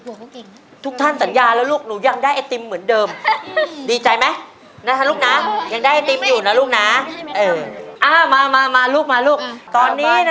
กันทุกท่านสัญญาแล้วลูกหนูยังได้ไอติมเหมือนเดิมดีใจไหมนุกนะยังได้ไอติมอยู่นะลูกนะเอออ้าวมามามาลูกมาลูกตอนนี้นะ